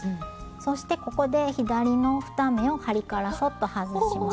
そしてここで左の２目を針からそっと外します。